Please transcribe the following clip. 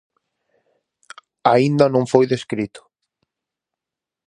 Aínda non foi descrito.